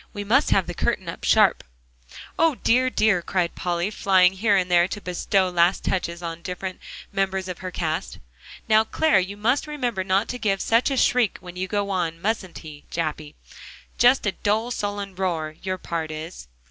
We must have the curtain up sharp." "O dear, dear!" cried Polly, flying here and there to bestow last touches on the different members of her cast. "Now, Clare, you must remember not to give such a shriek when you go on, mustn't he, Jappy? Just a dull, sullen roar, your part is."